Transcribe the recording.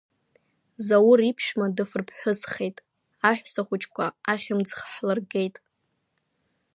Заур иԥшәма дыфраԥҳәысхеит, аҳәсахәыҷқәа ахьмыӡӷ ҳлыргеит.